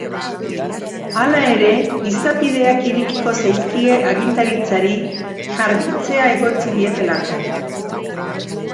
Hala ere, izapideak irekiko zaizkie agintaritzari jarkitzea egotzi dietelako.